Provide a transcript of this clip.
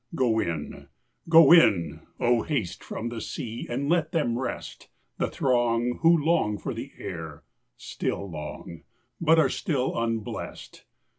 Go in, go in! Oh, haste from the sea, And let them rest The throng who long for the air still long, But are still unblest.